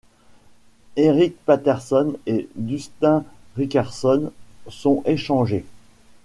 Eric Patterson et Dustin Richardson sont échangés.